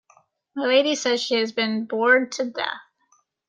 My Lady says she has been "bored to death."